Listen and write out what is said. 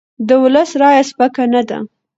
د ولس رایه سپکه نه ده